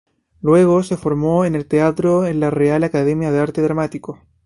Luego, se formó en teatro en la Real Academia de Arte Dramático.